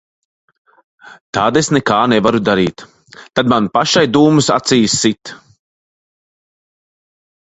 Tad es nekā nevaru darīt. Tad man pašai dūmus acīs sit.